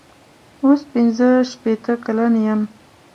اوس پنځه شپېته کلن یم.